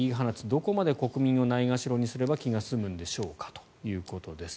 どこまで国民をないがしろにすれば気が済むんでしょうかということです。